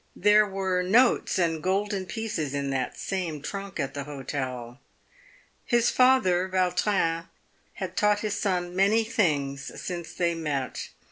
There were notes and golden pieces in that same trunk at the hotel. His father, Vautrin, had 348 PAVED WITH GOLD. taught his son many things since they met.